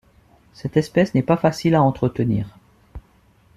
Cette espèce n'est pas facile à entretenir.